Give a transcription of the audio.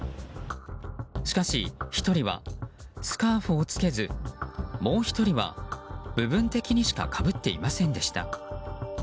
しかし、１人はスカーフを着けずもう１人は部分的にしかかぶっていませんでした。